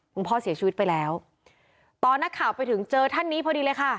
คุณพ่อเสียชีวิตไปแล้วตอนนักข่าวไปถึงเจอท่านนี้พอดีเลยค่ะ